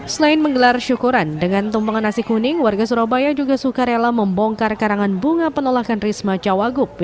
selain menggelar syukuran dengan tumpengan nasi kuning warga surabaya juga suka rela membongkar karangan bunga penolakan risma cawagup